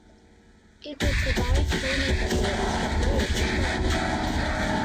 It will provide training facilities for players as well.